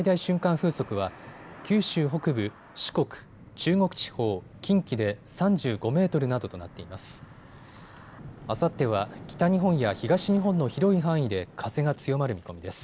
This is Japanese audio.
風速は九州北部、四国、中国地方、近畿で３５メートルなどとなっています。